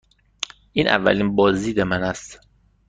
این اولین بازدید من است.